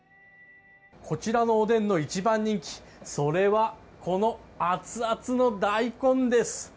こちらのおでん専門店の１番人気それはこの熱々の大根です。